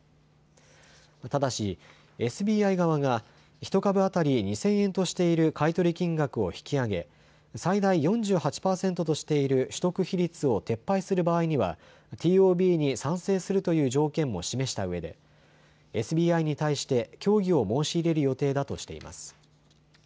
ただしＳＢＩ側が１株当たり２０００円としている買い取り金額を引き上げ最大４８％としている取得比率を撤廃する場合にはＴＯＢに賛成するという条件も示したうえでＳＢＩに対して協議を申し入れる予定だとしています。